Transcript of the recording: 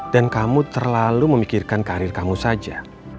dan kamu terlalu memikirkan karir kamu saja